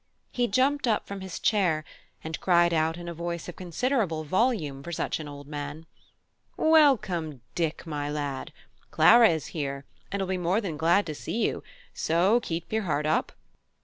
He jumped up from his chair, and cried out in a voice of considerable volume for such an old man, "Welcome, Dick, my lad; Clara is here, and will be more than glad to see you; so keep your heart up."